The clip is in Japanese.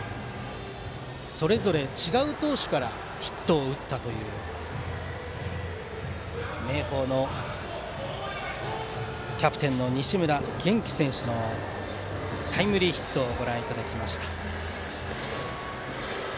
それぞれ違う投手からヒットを打ったという明豊のキャプテン西村元希選手のタイムリーヒットをご覧いただきました。